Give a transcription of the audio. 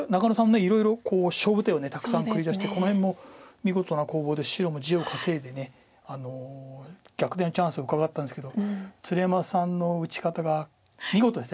いろいろ勝負手をたくさん繰り出してこの辺も見事な攻防で白も地を稼いで逆転のチャンスをうかがったんですけど鶴山さんの打ち方が見事です。